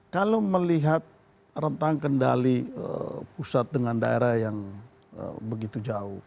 kalau melihat rentang kendali pusat dengan daerah yang begitu jauh